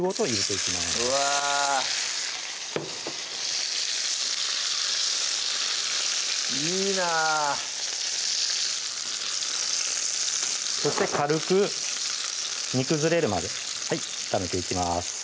いいなそして軽く煮崩れるまで炒めていきます